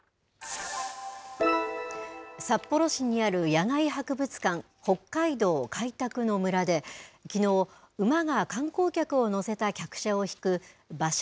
札幌市にある野外博物館、北海道開拓の村で、きのう、馬が観光客を乗せた客車を引く馬車